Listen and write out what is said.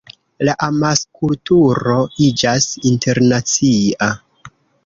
La amaskulturo iĝas internacia.